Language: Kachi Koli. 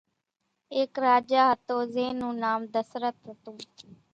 ايڪ راجا ھتو زين نون نام دسرت ھتون